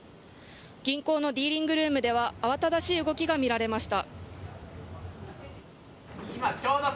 銀行のディーリングルームでは慌ただしい動きがみられました。